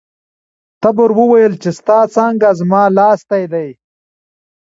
تبر وویل چې ستا څانګه زما لاستی دی.